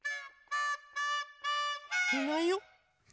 いないよ。